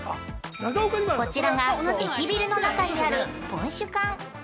◆こちらが駅ビルの中にあるぽんしゅ館。